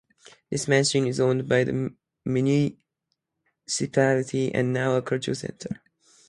This mansion is owned by the municipality and now a cultural centre.